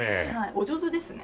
お上手ですね。